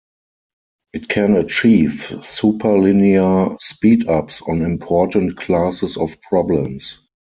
It can achieve super linear speed-ups on important classes of problems.